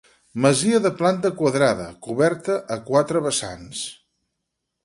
Masia de planta quadrada, coberta a quatre vessants.